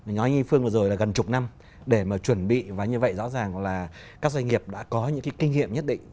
nói như phương vừa rồi là gần chục năm để chuẩn bị và như vậy rõ ràng là các doanh nghiệp đã có những kinh nghiệm nhất định